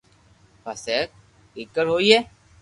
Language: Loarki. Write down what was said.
پسي ڪآڪر ھوئي